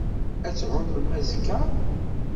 Ad tɛummem azekka?